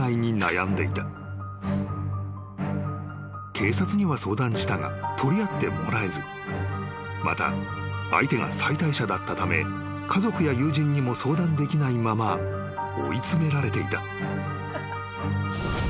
［警察には相談したが取り合ってもらえずまた相手が妻帯者だったため家族や友人にも相談できないまま追い詰められていた］